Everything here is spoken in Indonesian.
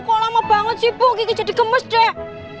kok lama banget sih bu kiki jadi gemes dak